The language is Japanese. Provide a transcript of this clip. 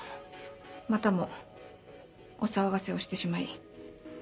またもお騒がせをしてしまい。